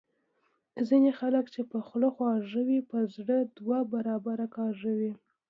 ځینی خلګ چي په خوله څومره خواږه وي په زړه دوه برابره کاږه وي